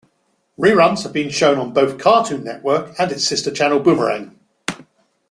Reruns have been shown on both Cartoon Network and its sister channel Boomerang.